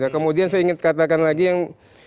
kemudian saya ingin katakan lagi yang